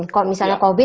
kalau misalnya covid